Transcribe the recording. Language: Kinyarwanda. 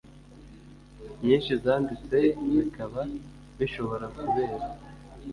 nyishi zanditse bikaba bishobora kubera